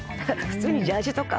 普通にジャージーとか。